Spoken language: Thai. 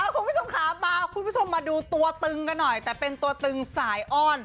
คุณผู้ชมครับมาดูตัวตึงกันหน่อยแต่เป็นตัวตึงสายอ้อน